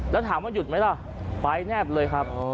แล้วถามว่าหยุดไหมล่ะไปแนบเลยครับ